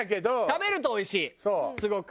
食べるとおいしいすごく。